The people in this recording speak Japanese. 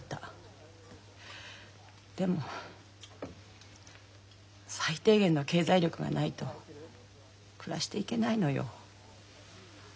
でも最低限の経済力がないと暮らしていけないのよ。